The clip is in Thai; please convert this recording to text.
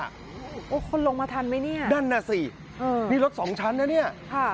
โอ้โหคนลงมาทันไหมเนี่ยนั่นน่ะสิเออนี่รถสองชั้นนะเนี่ยค่ะ